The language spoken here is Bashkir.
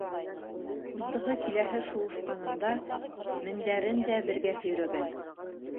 Ҡустыһы киләһе шыуышҡанында мендәрен дә бергә һөйрәгән.